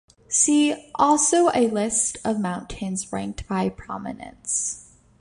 See also a list of mountains ranked by prominence.